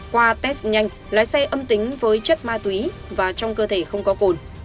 qua test nhanh lái xe âm tính với chất ma túy và trong cơ thể không có cồn